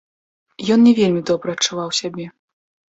Ён не вельмі добра адчуваў сябе.